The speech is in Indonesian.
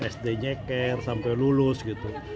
sd nyeker sampai lulus gitu